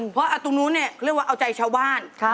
เพราะตรงนู้นเนี่ยเรียกว่าเอาใจชาวบ้าน